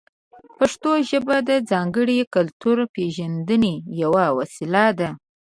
پښتو ژبه د ځانګړې کلتوري پېژندنې یوه وسیله ده.